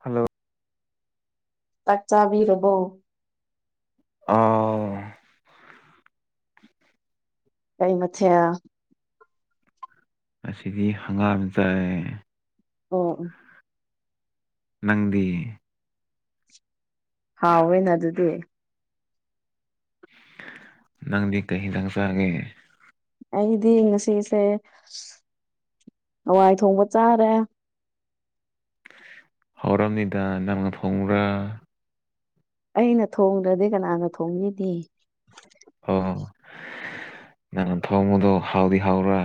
Hello ꯆꯥꯛ ꯆꯥꯕꯤꯔꯕꯣ ꯑꯧ ꯀꯩ ꯃꯊꯦꯜ ꯑꯁꯤꯗꯤ ꯍꯪꯒꯥꯝ ꯆꯥꯏꯌꯦ ꯑꯣ ꯑ ꯅꯪꯗꯤ ꯍꯥꯎꯋꯦꯅ ꯑꯗꯨꯗꯤ ꯅꯪꯗꯤ ꯀꯩ ꯏꯟꯖꯥꯡ ꯆꯥꯒꯦ ꯑꯩꯗꯤ ꯉꯁꯤꯁꯦ ꯍꯋꯥꯏ ꯊꯣꯡꯕ ꯆꯥꯔꯦ ꯍꯧꯔꯝꯅꯤꯗ ꯅꯪꯅ ꯐꯣꯡꯕ꯭ꯔꯥ ꯑꯩꯅ ꯊꯣꯡꯗ꯭ꯔꯗꯤ ꯀꯅꯥꯅ ꯊꯣꯡꯉꯗꯤ ꯑꯣ ꯅꯪ ꯊꯣꯡꯉꯨꯗꯣ ꯍꯥꯎꯗꯤ ꯍꯥꯎ꯭ꯔꯥ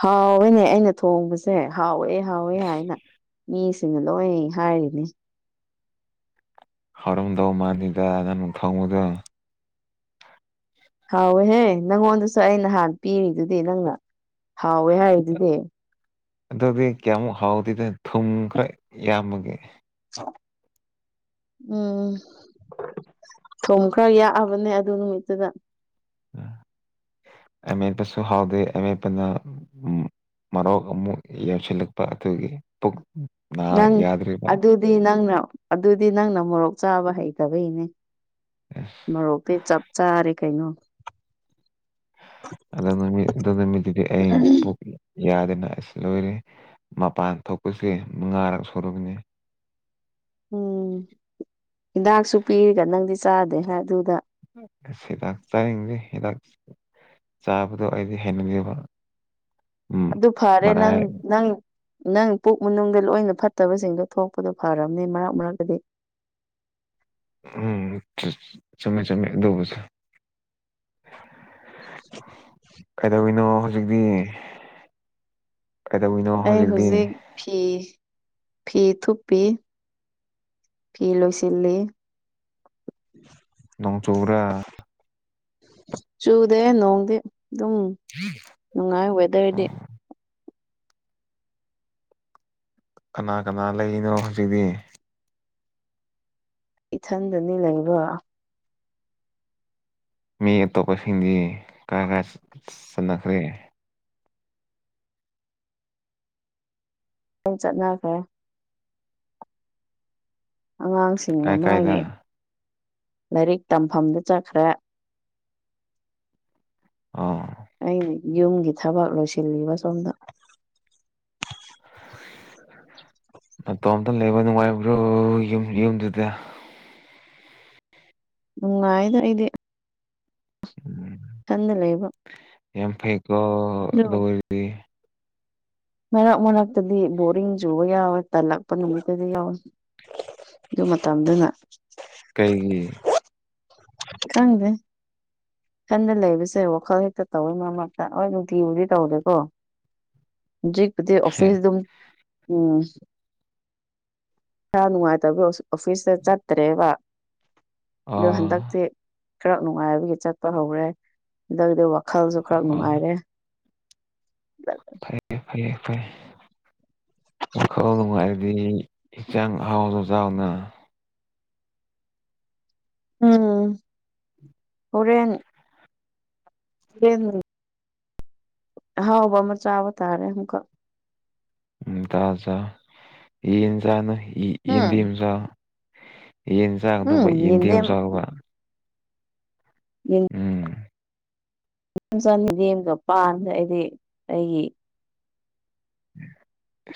ꯍꯥꯎꯋꯦꯅꯦ ꯑꯩꯅ ꯊꯣꯡꯕꯁꯦ ꯍꯥꯎꯋꯦ ꯍꯥꯎꯋꯦ ꯍꯥꯏꯅ ꯃꯤꯁꯤꯡꯅ ꯂꯣꯏꯅ ꯍꯥꯏꯔꯤꯅꯤ ꯍꯧꯔꯝꯗꯧ ꯃꯥꯜꯂꯤꯗ ꯅꯪ ꯊꯣꯡꯕꯗꯣ ꯍꯥꯎꯋꯦꯍꯦ ꯅꯪꯉꯣꯟꯗꯁꯨ ꯑꯩ ꯅꯍꯥꯟ ꯄꯤꯔꯤꯗꯨꯗꯤ ꯅꯪꯅ ꯍꯥꯎꯋꯦ ꯍꯥꯏꯔꯤꯗꯨꯗꯤ ꯑꯗꯨꯗꯤ ꯀꯌꯥꯃꯨꯛ ꯍꯥꯎꯗꯦꯗ ꯊꯨꯝ ꯈꯔ ꯌꯥꯝꯕꯒꯦ ꯎꯝ ꯊꯨꯝ ꯈꯔ ꯌꯥꯛꯑꯕꯅꯦ ꯑꯗꯨ ꯅꯨꯃꯤꯠꯇꯨꯗ ꯎꯝ ꯑꯃꯦꯠꯄꯁꯨ ꯍꯥꯎꯗꯦ ꯑꯃꯦꯠꯄꯅ ꯎꯝ ꯃꯔꯣꯛ ꯑꯃꯨꯛ ꯌꯦꯡꯁꯤꯜꯂꯛꯄ ꯑꯗꯨꯒꯤ ꯄꯨꯛ ꯅꯥ ꯅꯪ ꯌꯥꯗ꯭ꯔꯤꯕ ꯑꯗꯨꯗꯤ ꯅꯪꯅ ꯑꯗꯨꯗꯤ ꯅꯪꯅ ꯃꯣꯔꯣꯛ ꯆꯥꯕ ꯍꯩꯇꯕꯩꯅꯦ ꯑꯁ ꯃꯣꯔꯣꯛꯇꯤ ꯆꯞ ꯆꯥꯔꯦ ꯀꯩꯅꯣ ꯑꯗ ꯅꯨꯃꯤꯠ ꯑꯗꯨ ꯅꯨꯃꯤꯠꯇꯨꯗꯤ ꯑꯩ ꯄꯨꯛ ꯌꯥꯗꯅ ꯑꯁ ꯂꯣꯏꯔꯦ ꯃꯄꯥꯟ ꯊꯣꯛꯄꯁꯦ ꯃꯉꯥꯔꯛ ꯁꯨꯨꯔꯕꯅꯦ ꯎꯝ ꯗꯥꯛꯁꯨ ꯄꯤꯔꯒ ꯅꯪꯗꯤ ꯆꯥꯗꯦ ꯑꯗꯨꯗ ꯑꯁ ꯍꯤꯗꯥꯛ ꯆꯥꯏꯪꯗꯦ ꯍꯤꯗꯥꯛ ꯆꯥꯕꯗꯣ ꯑꯩꯗꯤ ꯍꯩꯅꯗꯦꯕ ꯎꯝ ꯑꯗꯨ ꯐꯔꯦ ꯅꯪ ꯃꯔꯥꯏ ꯅꯪ ꯅꯪ ꯄꯨꯛ ꯃꯅꯨꯡꯗ ꯂꯣꯏꯅ ꯐꯠꯇꯕꯁꯤꯡꯗꯣ ꯊꯣꯛꯄꯗꯣ ꯐꯔꯝꯅꯦ ꯃꯔꯛ ꯃꯔꯛꯇꯗꯤ ꯎꯝ ꯆ ꯆꯨꯝꯃꯦ ꯆꯨꯝꯃꯦ ꯑꯗꯨꯕꯨꯁꯨ ꯀꯩꯗꯧꯋꯤꯅꯣ ꯍꯧꯖꯤꯛꯗꯤ ꯑꯩ ꯍꯧꯖꯤꯛ ꯐꯤ ꯐꯤ ꯊꯨꯞꯄꯤ ꯐꯤ ꯂꯣꯏꯁꯤꯜꯂꯤ ꯅꯣꯡ ꯆꯨꯕ꯭ꯔꯥ ꯆꯨꯗꯦ ꯅꯣꯡꯗꯦ ꯑꯗꯨꯝ [unintelligible] ꯅꯨꯡꯉꯥꯏ ꯋꯦꯗꯔꯗꯤ ꯀꯅꯥ ꯀꯅꯥ ꯂꯩꯔꯤꯅꯣ ꯍꯧꯖꯤꯛꯗꯤ ꯏꯊꯟꯗꯅꯤ ꯂꯩꯕ ꯃꯤ ꯑꯇꯣꯞꯄꯁꯤꯡꯗꯤ ꯀꯥꯏ ꯀꯥꯏ ꯆꯠ ꯆꯠꯅꯈ꯭ꯔꯦ ꯗꯨꯝ ꯆꯠꯅꯈ꯭ꯔꯦ ꯑꯉꯥꯡꯁꯤꯡꯅ ꯀꯥꯏ ꯀꯥꯏꯗ ꯃꯣꯏꯒꯤ ꯂꯥꯏꯔꯤꯛ ꯇꯝꯐꯝꯗ ꯆꯠꯈ꯭ꯔꯦ ꯑꯣ ꯑꯩꯅ ꯌꯨꯝꯒꯤ ꯊꯕꯛ ꯂꯣꯏꯁꯤꯜꯂꯤꯕ ꯁꯣꯝꯗ ꯅꯇꯣꯝꯇ ꯂꯩꯕ ꯅꯨꯡꯉꯥꯏꯕ꯭ꯔꯣ ꯌꯨꯝ ꯌꯨꯝꯗꯨꯗ ꯅꯨꯡꯉꯥꯏꯗ ꯑꯩꯗꯤ ꯎꯝ ꯇꯟꯗ ꯂꯩꯕ‌꯫ ꯌꯥꯝ ꯐꯩꯀꯣ꯫ ꯂꯣ꯫ [inaudible] ꯑ‌ꯦ꯫ ꯃꯔꯛ ꯃꯔꯛꯇꯗꯤ ꯕꯣꯔꯤꯡ ꯆꯨꯕ ꯌꯥꯎꯋꯦ ꯇꯜꯂꯛꯄ ꯅꯨꯃꯤꯠꯇꯗꯤ ꯌꯥꯎꯋꯦ꯫ ꯑꯗꯨ ꯃꯇꯝꯗꯨꯅ꯫ ꯀꯩꯒꯤ꯫ ꯈꯪꯗ‌ꯦ‌꯫ ꯊꯟꯗ ꯂꯩꯕꯁꯦ ꯋꯥꯈꯜ ꯍꯦꯛꯇ ꯇꯧꯏ ꯃꯔꯛꯃꯔꯛꯇ ꯍꯣꯏ ꯅꯨꯡꯇꯤꯒꯤꯕꯨꯗꯤ ꯇꯧꯗꯦꯀꯣ꯫ ꯖ‌ꯦꯛꯄꯨꯗꯤ ꯍꯦ ꯑꯣꯐꯤꯁ ꯑꯗꯨꯝ ꯎꯝ꯫ ꯏꯁꯥ ꯅꯨꯡꯉꯥꯏꯇꯕ ꯑꯣꯐꯤꯁꯇ ꯆꯠꯇ꯭ꯔꯦꯕ ꯗꯣ ꯍꯟꯗꯛꯇꯤ ꯑꯥ ꯈꯔ ꯅꯨꯡꯉꯥꯏꯕꯒꯤ ꯆꯠꯄ ꯍꯧꯔꯦ ꯍꯟꯗꯛ ꯗꯧꯗꯧꯕ ꯈꯜꯁꯨ ꯈꯔ ꯑꯥ ꯅꯨꯡꯉꯥꯏꯔꯦ ꯐꯩ ꯐꯩꯌꯦ ꯐꯩ ꯋꯥꯈꯜ ꯅꯨꯡꯉꯥꯏꯗꯤ ꯏꯟꯖꯥꯡ ꯑꯍꯥꯎꯕꯖꯥꯎꯅ ꯎꯝ ꯍꯣꯔꯦꯟ ꯍꯨꯔꯦꯟꯕꯨꯗꯤ ꯑꯍꯥꯎꯕ ꯑꯃ ꯆꯥꯕ ꯇꯥꯔꯦ ꯑꯃꯨꯛꯀ ꯎꯝ ꯇꯥꯖꯥ ꯌꯦꯟ ꯆꯥꯅꯣ ꯎꯝ ꯌꯦꯟꯗꯦꯝ ꯆꯥꯎ ꯌꯦꯟ ꯆꯥꯒꯅꯣꯕ ꯌꯦꯟꯗꯦꯝ ꯆꯥꯎꯕ ꯌꯦꯟꯗꯦꯝ ꯎꯝ ꯆꯥꯅꯤ ꯗꯦꯝꯒ ꯄꯥꯟꯗ ꯑꯩꯗꯤ ꯑꯩꯒꯤ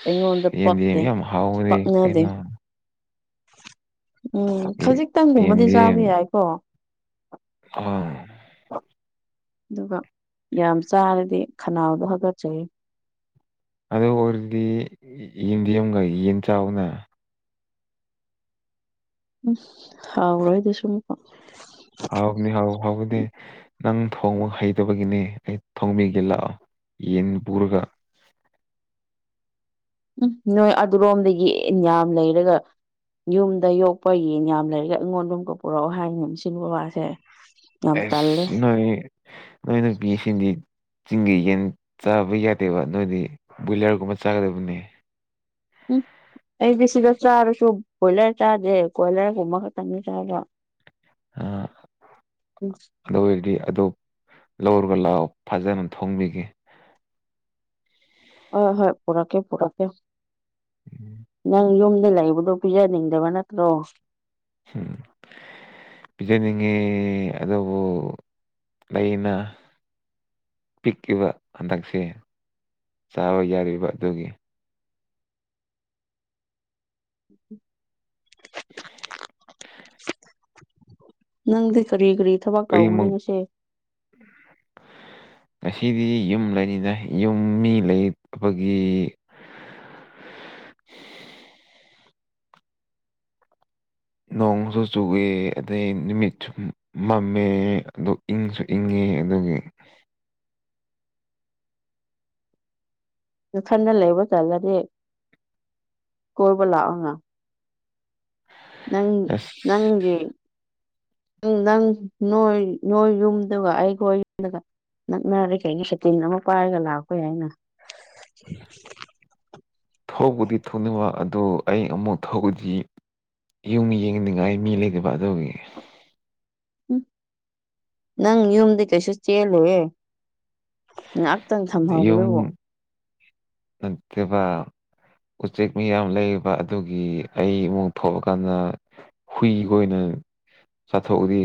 ꯑꯩꯉꯣꯟꯗ ꯄꯛꯇꯦ ꯌꯦꯟꯗ‌ꯦꯝꯗꯤ ꯌꯥꯝ ꯍꯥꯎꯕꯅꯤ ꯄꯛꯅꯗꯦ ꯀꯩꯅꫭ꯫ ꯎꯝ ꯌꯦ- ꯈꯖꯤꯛꯇꯪꯒꯨꯝꯕꯗꯤ ꯆꯥꯕ ꯌꯦꯟꯗꯦꯝ ꯌꯥꯏꯀꯣ꯫ ꯑꯥ꯫ ꯑꯗꯨꯒ ꯌꯥꯝ ꯆꯥꯔꯗꯤ ꯈꯅꯥꯎꯗꯣ ꯍꯥꯒꯠꯆꯩꯌ‌ꯦ꯫ ꯑꯗꯨ ꯑꯣꯏꯔꯗꯤ ꯌꯦꯟꯗ‍ꯦꯝꯒ ꯌꯦꯟ ꯆꯥꯎꯅ꯫ ꯎꯝ ꯍꯥꯎꯔꯣꯏ ꯁꯨꯝꯀꯥꯎ꯫ ꯍꯥꯎꯅꯤ ꯍꯥꯎ ꯍꯥꯎꯕꯅꯤ꯫ ꯅꯪ ꯊꯣꯡꯕ ꯍꯩꯇꯕꯒꯤꯅꯦ ꯑꯩ ꯊꯣꯡꯕꯤꯒꯦ ꯂꯥꯛꯑꯣ ꯌꯦꯟ ꯄꯨꯔꯒ꯫ ꯎꯝ ꯅꯣꯏ ꯑꯗꯨꯔꯣꯝꯗ ꯌ‌ꯦꯟ ꯌꯥꯝ ꯂꯩꯔꯒ꯫ ꯌꯨꯝꯗ ꯌꯣꯛꯄ ꯌꯦꯟ ꯌꯥꯝ ꯂꯩꯔꯒ ꯑꯩꯉꯣꯟꯗꯃꯨꯛꯀ ꯄꯨꯔꯛꯑꯣ ꯍꯥꯏꯅ‌ꯦ ꯁꯤꯡ ꯕꯕꯥꯁꯦ꯫ ꯑꯦꯁ ꯅꯣꯏ ꯅꯣꯏ ꯅꯨꯄꯤꯁꯤꯗꯤ꯫ ꯆꯤꯡꯒꯤ ꯌꯦꯟ ꯆꯥꯕ ꯌꯥꯗꯦꯕ ꯅꯣꯏꯗꯤ ꯕꯣꯏꯂꯔꯒꯨꯝꯕ ꯆꯥꯒꯗꯕꯅꯦ꯫ ꯎꯝ ꯑꯩꯗꯤ ꯁꯤꯗ ꯆꯥꯔꯁꯨ ꯕꯣꯏꯂꯔ ꯆꯥꯗꯦ ꯀꫭꯏꯂꯔꯒꯨꯝꯕ ꯈꯛꯇꯪꯅ‌ꯦ ꯆꯥꯕ꯫ ꯑꯥ ꯎꯝ꯫ ꯑꯗꯨ ꯑꯣꯏꯔꯗꯤ ꯑꯗꯨ ꯂꯧꯔꫭ ꯂꯥꯎ ꯐꯖꯅ ꯊꯣꯡꯕꯤꯒꯦ꯫ ꯍꯣꯏ ꯍꯣꯏ ꯄꯨꯔꯛꯀꯦ ꯄꯨꯔꯛꯀꯦ ꯅꯪ ꯌꯨꯝꯗ ꯂꯩꯕꯗꫭ꯫ ꯄꯤꯖꯅꯤꯡꯗꯕ ꯅꯠꯇ꯭ꯔꯣ꯫ ꯫ [unintelligible] ꯄꯤꯖꯅꯤꯡꯉ‌ꯦ ꯑꯗꯨꯕꯨ ꯂꯩꯅ꯫ ꯄꯤꯛꯏꯕ ꯍꯟꯗꯛꯁꯦ ꯆꯥꯕ ꯌꯥꯔꯤꯕ ꯑꯗꯨꯒꯤ꯫ ꯫ [unintelligible] ꯅꯪꯗꯤ ꯀꯔꯤ ꯀꯔꯤ ꯊꯕꯛ ꯇꯧꯒꯅꯤꯉꯁꯤ꯫ ꯫ [unintelligible] ꯉꯁꯤꯗꯤ ꯌꯨꯝ ꯂꯩꯅꯤꯅ ꯌꯨꯝ ꯃꯤ ꯂꯩꯕꯒꯤ꯫ ꯅꯣꯡꯁꯨ ꯆꯨꯏꯌ‌ꯦ ꯑꯗꯩ ꯅꯨꯃꯤꯠꯁꯨ ꯃꯝꯃꯦ ꯑꯗꯨ꯫ ꯏꯪꯁꯨ ꯏꯪꯉꯦ ꯑꯗꯨꯒꯤ꯫ ꯅꯊꯟꯗ ꯂꯩꯕ ꯇꯠꯂꯗꯤ ꯀꯣꯏꯕ ꯂꯥꯛꯑꯣꯅ꯫ ꯅꯪ ꯑꯁ ꯅꯪꯒꯤ꯫ ꯅꯪ ꯅꯪ ꯅꯣꯏ ꯅꯣꯏ ꯌꯨꯝꯗꯨꯒ ꯑꯩꯈꫭꯏ ꯌꯨꯝꯗꯨꯒ ꯅꯛꯅꯔꯦ ꯀꯩꯅ ꯁꯇꯤꯟ ꯑꯃ ꯄꯥꯏꯔꯒ ꯂꯥꯛꯄ ꯍꯥꯏꯅ ꯊꯧꯕꯗꯤ ꯊꯅꯤꯡꯕ ꯑꯗꯣ ꯑꯩ ꯑꯃꯨꯛ ꯊꯧꯕꯗꯤ ꯌꯨꯝ ꯌꯦꯡꯅꯤꯡꯉꯥꯏ ꯃꯤ ꯂꯩꯗꯕ ꯑꯗꯨꯒꯤ ꯎꯝ ꯅꯪ ꯌꯨꯝꯗꯤ ꯀꯩꯁꯨꯆꯦꯜꯂꫭꯏꯌꯦ ꯅꯥꯛ ꯌꯨꯝ ꯅꯠꯇꯕꯥ ꯎꯆꯦꯛ ꯃꯤꯌꯥꯝ ꯂꯩꯔꯤꯕ ꯑꯗꯨꯒꯤ ꯑꯩ ꯏꯃꯨꯡ ꯊꯣꯛꯑꯀꯥꯟꯗ ꯍꯨꯏ ꯈꫭꯏꯅ ꯆꯥꯊꯣꯛꯎꯗꯤ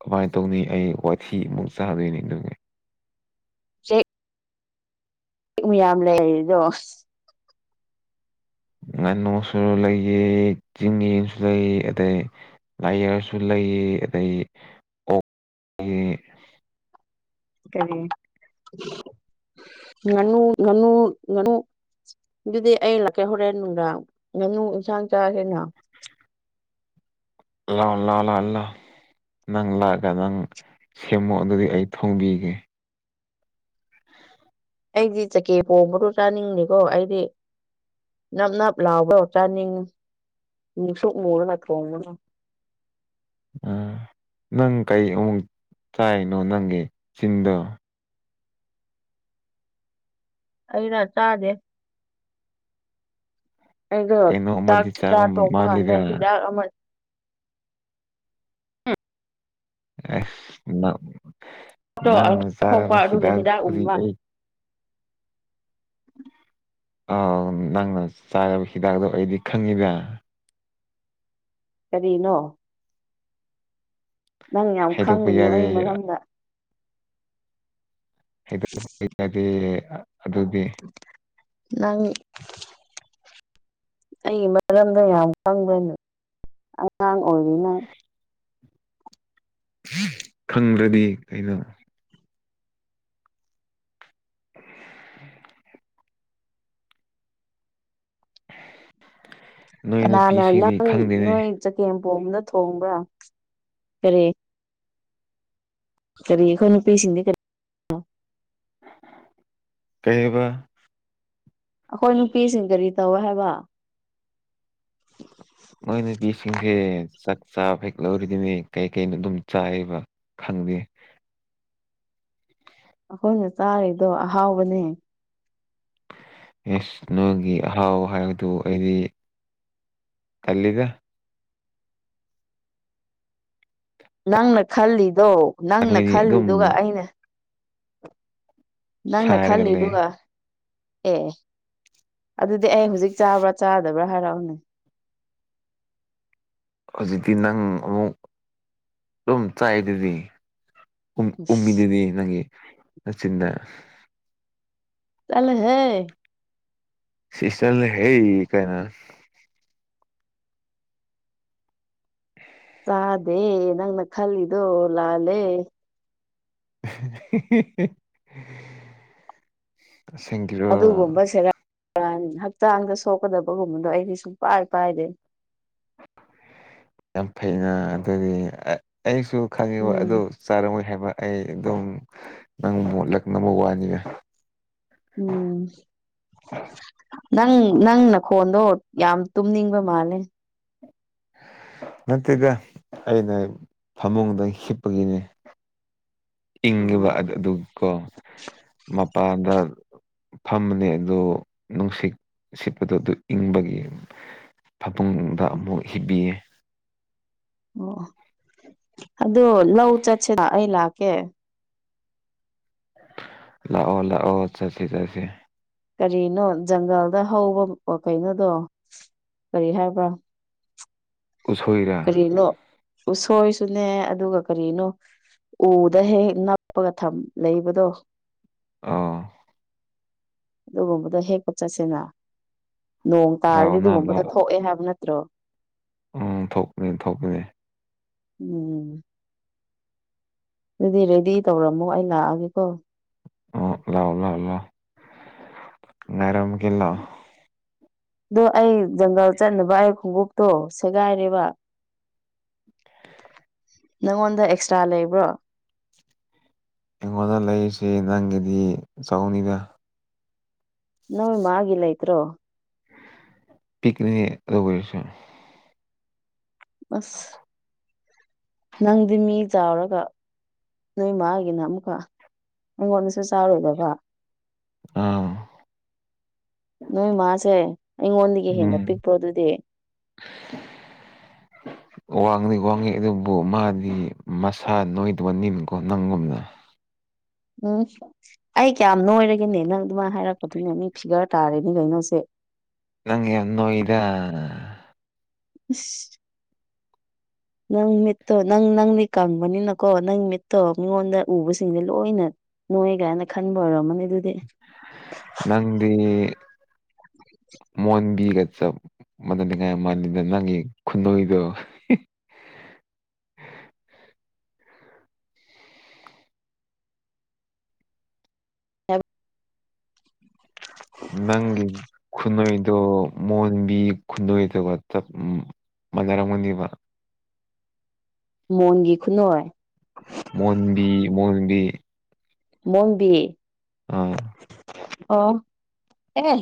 ꯀꯃꯥꯏꯅ ꯇꯧꯅꯤ ꯑꯩ ꯋꯥꯊꯤꯃꯨꯛ ꯆꯥꯗꯣꯏꯅꯤ ꯑꯗꯨꯒꯤ ꯆꯩ [inaudible] ꯃꯌꯥꯝ ꯂꯩꯔꯤꯗꯣ꯫ ꯉꯥꯅꯨꯁꯨ ꯂꯩꯌꯦ ꯆꯤꯡ ꯌꯦꯁꯨ ꯂꯩ ꯑꯗꯩ꯫ ꯂꯩꯥꯏꯌꯔꯁꯨ ꯂꯩꯌ‌ꯦ ꯑꯗꯩ꯫ ꯑꯣꯛ ꯀꯔꯤ ꯉꯅꯨ ꯉꯅꯨ ꯉꯅꯨ꯫ ꯑꯗꯨꯗꯤ ꯑꯩ ꯂꯥꯛꯀꯦ ꯍꯣꯔꯦꯟ ꯅꯨꯡꯗꯥꯡ ꯉꯥꯅꯨ ꯏꯟꯁꯥꯡ ꯆꯥꯁ‌ꯦꯅ꯫ ꯂꯥꯎ ꯂꯥꯏ ꯂꯥꯎ꯫ ꯅꯪ ꯂꯥꯛꯑꯒ ꯅꯪ ꯁꯦꯝꯃꯨ ꯑꯗꯨꯗꯤ ꯑꯩ ꯊꯣꯡꯕꯤꯒꯦ꯫ ꯑꯩꯗꯤ ꯆꯀꯦ ꯄꯣꯡꯕꯗꯣ ꯆꯥꯅꯤꯡꯗ‌ꯦꯀꯣ ꯑꯩꯗꯤ꯫ ꯅꯞ ꯅꯞ ꯂꯥꯎꯕꯑꯣ ꯆꯥꯅꯤꯡꯉꯤ ꯃꯨꯁꯨꯛ ꯃꯨꯔꯒ ꯊꯣꯡꯕꯗꫭ꯫ ꯎ ꯅꯪ ꯀꯩ ꯑꯃꫭꯛ ꯆꯥꯏꯅꯣ ꯅꯪꯒꯤ ꯆꯤꯟꯗꯣ꯫ ꯑꯩꯩꯔꫭ ꯆꯗꯦ꯫ ꯑꯩꯗꯣ ꯀꯩꯅꯣ ꯆꯥꯛ ꯑꯃꯗꯤ ꯆꯥ ꯆꯥꯕ ꯇꯣꯛꯄ ꯀꯥꯟꯗ ꯃꯥꯜꯂꯤꯗ ꯍꯤꯗꯥꯛ ꯑꯃ꯫ ꯑꯁ ꯅ ꯅꯪꯅ ꯊꯣꯛꯄ ꯆꯥꯔꯕ ꯑꯗꯨꯒꯤ ꯍꯤꯗꯥꯛ ꯇꯨꯗꯤ ꯎꯕ ꯑꯩ ꯑꯥꯎ ꯅꯪꯅ ꯆꯥꯔꯕ ꯍꯤꯗꯥꯛꯗꯣ ꯑꯩꯗꯤ ꯈꯪꯉꯤꯗ ꯀꯔꯤꯅꯣ ꯅꯪ ꯌꯥꯝ ꯍꯥꯏꯗꯣꯛꯄ ꯈꯪꯉꯨꯅꯨ ꯌꯥꯗꯦ ꯑꯩ ꯃꯔꯝꯗ ꯍꯗꯣꯛꯗꯤ ꯑꯗꯨꯗꯤ ꯅꯪ ꯑꯩꯒꯤ ꯃꯔꯝꯗ ꯌꯥꯝ ꯈꯪꯕ꯭ꯔꯅꯦ ꯑꯉꯥꯡ ꯑꯣꯏꯔꯤꯅꯪ ꯈꯪꯗ꯭ꯔꯗꯤ ꯀꯩꯅꯣ [inaudible] ꯅꯣꯏ ꯀꯅꯥꯅ ꯅꯨꯄꯤꯁꯤꯡꯗꯤ ꯅꯪ ꯈꯪꯗꯦꯅꯦ ꯅꯣꯏ ꯆꯒꯦꯝꯄꯣꯝꯕꯗ ꯊꯣꯡꯕ꯭ꯔꯥ ꯀꯔꯤ ꯀ꯭ꫪꯤ ꯑꯩꯈꯣꯏ ꯅꯨꯄꯤ ꯁꯤꯡꯗꯤ ꯀ꯭ꫪꯤ ꯀꯩꯕ ꯑꯩꯈꯣꯏ ꯅꯨꯄꯤꯁꯤꯡ ꯀꯔꯤ ꯇꯧꯋꯦ ꯍꯥꯏꯕ [unintelligible] ꯃꯣꯏ ꯅꯨꯄꯤꯁꯤꯡꯁꯦ ꯆꯥꯛ ꯆꯥꯕ ꯍꯦꯛ ꯂꯧꯔꯤꯗꯨꯅꯦ ꯀꯩ ꯀꯩꯅꯣ ꯑꯗꯨꯝ ꯆꯥꯏꯕ ꯈꯪꯗꯦ ꯑꯩꯈꯣꯏꯅ ꯆꯥꯔꯤꯗꯣ ꯑꯍꯥꯎꯕꯅꯦ ꯑꯦꯁ ꯅꯣꯏꯒꯤ ꯑꯍꯥꯎ ꯍꯥꯏꯕꯗꯨ ꯑꯩꯗꯤ ꯀꯜꯂꯤꯗ ꯅꯪꯅ ꯈꯜꯂꯤꯗꯣ ꯅꯪꯅ ꯅꯪꯒꯤꯗꯤ ꯑꯗꯨꯝ ꯈꯜꯂꯤꯗꯨꯒ ꯑꯩꯅ ꯅꯪꯅ ꯁꯥꯏꯔꯒ ꯂꯩ ꯈꯜꯂꯤꯗꯨꯒ ꯑꯦ ꯑꯗꯨꯗꯤ ꯑꯩ ꯍꯧꯖꯤꯛ ꯆꯥꯕ꯭ꯔꯥ ꯆꯥꯗꯕ꯭ꯔꯥ ꯍꯥꯏꯔꯛꯎꯅꯦ ꯍꯧꯖꯤꯛꯇꯤ ꯅꯪ ꯑꯃꯨꯛ ꯑꯗꯨꯝ ꯆꯥꯏ ꯑꯗꯨꯗꯤ ꯎꯡ ꯏꯁ ꯎꯝꯃꯤꯗꯨꯗꯤ ꯅꯪꯒꯤ ꯅꯆꯤꯟꯗ ꯆꯠꯂ ꯍꯩ ꯁꯤꯁꯜꯂꯦ ꯍꯦ ꯀꯥꯏꯅ ꯆꯥꯗꯦ ꯅꯪꯅ ꯈꯜꯂꯤꯗꯣ ꯂꯥꯜꯂꯦ [inaudible] ꯊꯦꯡꯀꯤ꯭ꯌ ꯑꯗꯨꯒꯨꯝꯕꯕꯁꯤꯦꯔ ꯍꯛꯆꯥꯡꯗ ꯁꯣꯛꯀꯗꯕꯒꯨꯝꯕꯗꯣ ꯑꯩꯗꯤ ꯁꯨꯡ ꯄꯥꯏ ꯄꯥꯏꯗꯦ ꯌꯥꯝ ꯐꯩꯅ ꯑꯗꯨꯗꯤ ꯑꯩꯁꯨ ꯈꯪꯉꯤꯕ ꯎꯝ ꯑꯗꯨ ꯆꯥꯔꯝꯃꯣꯏ ꯍꯥꯏꯕ ꯑꯩ ꯑꯗꯨꯝ ꯅꯪ ꯃꯣꯠꯂꯛꯅꯕ ꯋꯥꯅꯤꯒ ꯎꯝ ꯅꯪ ꯅꯪ ꯅꯈꯣꯟꯗꯣ ꯌꯥꯝ ꯇꯨꯝꯅꯤꯡꯕ ꯃꯥꯜꯂꯦ ꯅꯠꯇꯦꯗ ꯑꯩꯅ ꯐꯃꯨꯡꯗ ꯍꯤꯞꯄꯒꯤꯅꯦ ꯏꯪꯉꯤꯕ ꯑꯣ ꯑꯗꯨ ꯀꯣ ꯃꯄꯥꯟꯗ ꯐꯝꯕꯅꯦ ꯑꯗꯣ ꯅꯨꯡꯁꯤꯠ ꯁꯤꯠꯄꯗꯣ ꯑꯗꯨ ꯏꯪꯕꯒꯤ ꯐꯃꯨꯡꯗ ꯑꯃꯨꯛ ꯍꯤꯞꯕꯤꯌꯦ ꯑꯣ ꯑꯗꯣ ꯂꯧ ꯆꯠꯁꯦ ꯑꯩ ꯂꯥꯛꯀꯦ ꯂꯥꯛꯑꯣ ꯂꯥꯛꯑꯣ ꯆꯠꯁꯦ ꯆꯠꯁꯦ ꯀꯔꯤꯅꯣ ꯖꯪꯒꯜꯗ ꯍꯧꯕ ꯀꯩꯅꯣꯗꯣ ꯀꯔꯤ ꯍꯥꯏꯕ꯭ꯔꯥ ꯎꯁꯣꯏꯔ ꯀꯔꯤꯅꯣ ꯎꯁꯣꯏꯁꯨꯅꯦ ꯑꯗꯨꯒ ꯀꯔꯤꯅꯣ ꯎꯗ ꯍꯦꯛ ꯍꯦꯛ ꯅꯞꯄꯒ ꯊꯝ ꯂꯩꯕꯗꯣ ꯑꯧ ꯑꯗꯨꯒꯨꯝꯕꯗꯣ ꯍꯦꯛꯄ ꯆꯠꯁꯦꯅ ꯅꯣꯡ ꯇꯥꯔꯗꯤ ꯂꯥꯛꯑꯣꯅ ꯑꯗꯨꯒꯨꯝꯕꯗꯣ ꯂꯥꯛ ꯊꯣꯛꯑꯦ ꯍꯥꯏꯕ ꯅꯠꯇ꯭ꯔꯣ ꯎꯝ ꯊꯣꯛꯄꯅꯤ ꯊꯣꯛꯄꯅꯦ ꯎꯝ ꯑꯗꯨꯗꯤ ꯔꯦꯗꯤ ꯇꯧꯔꯝꯃꯣ ꯑꯩ ꯂꯥꯛꯑꯒꯦꯀꯣ ꯑꯣ ꯂꯑꯣ ꯂꯑꯣ ꯂꯑꯣ ꯉꯔꯝꯒꯦ ꯂꯑꯣ ꯑꯗꯣ ꯑꯩ ꯖꯪꯒꯜ ꯆꯠꯅꯕ ꯑꯩ ꯈꯣꯡꯎꯞꯇꯣ ꯁꯦꯒꯥꯏꯔꯦꯕ ꯅꯪꯉꯣꯟꯗ ꯑꯦꯛꯁꯇ꯭ꯔꯥ ꯂꯩꯕ꯭ꯔꯣ ꯑꯩꯉꯣꯟꯗ ꯂꯩꯔꯤꯁꯤ ꯅꯪꯒꯤꯗꯤ ꯆꯥꯎꯅꯤꯗ ꯅꯧ ꯃꯥꯒꯤꯂꯥꯏ꯭ꯔꯣ ꯄꯤꯛꯅꯤꯁꯟ ꯑꯁ ꯅꯪꯗꯤ ꯃꯤ ꯆꯥꯎꯔꯒ ꯅꯣꯏ ꯃꯥꯒꯤꯅ ꯑꯃꯨꯛꯀ ꯑꯩꯉꯣꯟꯗꯁꯨ ꯆꯥꯎꯥꯔꯣꯏꯗꯕ ꯑꯥ ꯅꯣꯏ ꯃꯥꯁꯦ ꯑꯩꯉꯣꯟꯗꯒꯤ ꯍꯦꯟꯅ ꯄꯤꯛꯄ꯭ꯔꯣ ꯑꯗꯨꯗꯤ [inaudible] ꯋꯥꯡꯉꯤ ꯋꯥꯡꯉꯤ ꯑꯗꯨꯕꯨ ꯃꯥꯗꯤ ꯃꯁꯥ ꯅꯣꯏꯗꯧ ꯅꯤꯃꯤꯀꯣ ꯅꯪꯒꯨꯝꯅ ꯎꯝ ꯑꯩ ꯀꯌꯥꯝ ꯅꯣꯏꯔꯒꯦꯅꯦ ꯅꯪ ꯑꯗꯨꯃꯥꯏꯅ ꯍꯥꯏꯔꯛꯄꯗꯨꯅꯦ ꯃꯤ ꯐꯤꯒꯔ ꯇꯥꯔꯦꯅꯤ ꯀꯩꯅꯣꯁꯦ ꯅꯪ ꯌ ꯅꯣ ꯏꯗ ꯎ ꯅꯪ ꯃꯤꯠꯇꯣ ꯅꯪ ꯅꯪꯗꯤ ꯀꯪꯕꯅꯤꯅꯀꯣ ꯅꯪ ꯃꯤꯠꯇꯣ ꯃꯤꯉꯣꯟꯗ ꯎꯕꯁꯤꯡꯁꯦ ꯂꯣꯏꯅ ꯅꯣꯏ ꯀꯥꯏꯅ ꯈꯟꯕ ꯑꯣꯏꯔꯝ ꯑꯃꯅꯤꯅꯦ ꯑꯗꯨꯗꯤ ꯅꯪꯗꯤ [inaudible] ꯃꯣꯟꯕꯤꯒ ꯆꯞ ꯃꯅꯅꯤꯡꯉꯥꯏ ꯃꯥꯜꯂꯤꯗ ꯅꯪꯒꯤ ꯈꯨꯟꯅꯏꯗꯣ ꯑꯦ ꯅꯪꯒꯤ ꯈꯨꯅꯏꯗꯣ ꯃꯣꯟꯕꯤ ꯈꯨꯅꯏꯗꯨꯒ ꯃꯅꯔꯒꯕ ꯃꯣꯟꯒꯤ ꯈꯨꯠꯅꯣꯏ ꯃꯣꯟꯕꯤ ꯃꯣꯣꯟꯕꯤ ꯃꯣꯟꯕꯤ ꯑꯥ ꯑꯣ ꯑꯦ